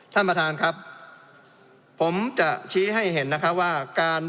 ท่านประธานครับผมจะชี้ให้เห็นนะคะว่าการ